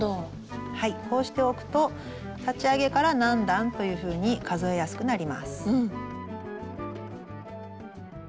こうしておくと立ち上げから何段というふうに数えやすくなります。